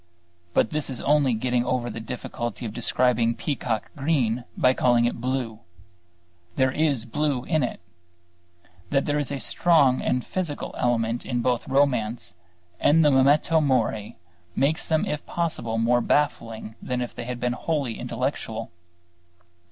But this is only getting over the difficulty of describing peacock green by calling it blue. There is blue in it. That there is a strong physical element in both romance and the Memento Mori makes them if possible more baffling than if they had been wholly intellectual.